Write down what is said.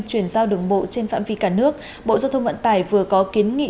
chuyển giao đường bộ trên phạm vi cả nước bộ giao thông vận tải vừa có kiến nghị